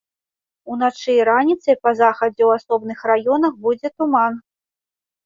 Уначы і раніцай па захадзе ў асобных раёнах будзе туман.